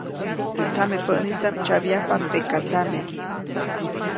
Teʼ tsamepäʼnistaʼm tsyabyajpa pekatsame.